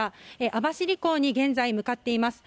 網走港に現在、向かっています。